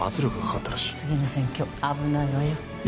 次の選挙、危ないわよ。